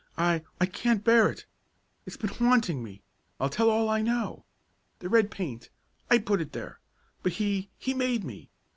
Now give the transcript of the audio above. I I can't bear it. It's been haunting me. I'll tell all I know. The red paint I put it there. But he he made me.